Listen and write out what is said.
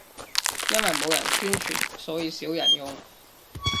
因為冇人宣傳，所以少人用